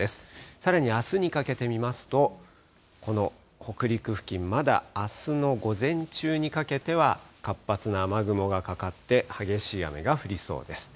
さらにあすにかけて見ますと、この北陸付近、まだあすの午前中にかけては活発な雨雲がかかって、激しい雨が降りそうです。